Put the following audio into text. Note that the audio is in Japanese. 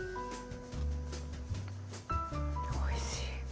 おいしい！